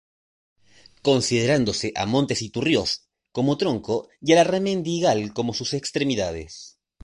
Considerándose a Montes Iturrioz como tronco y a Larramendi y Gal como sus 'extremidades'.